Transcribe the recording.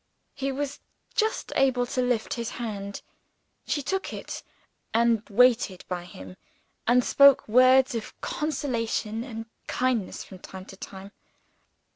He was just able to lift his hand. She took it, and waited by him, and spoke words of consolation and kindness from time to time.